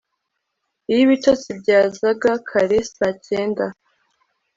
iyo ibitotsi byazaga kare, saa cyenda